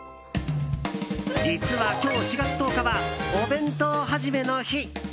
実は今日４月１０日はお弁当始めの日。